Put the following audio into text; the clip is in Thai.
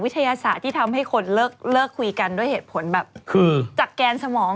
ทยศาสตร์ที่ทำให้คนเลิกคุยกันด้วยเหตุผลแบบคือจากแกนสมอง